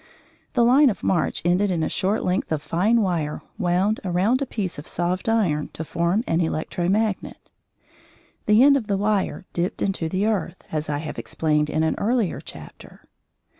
The line of march ended in a short length of fine wire wound around a piece of soft iron to form an electro magnet. The end of the wire dipped into the earth, as I have explained in an earlier chapter.